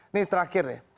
ini terakhir ya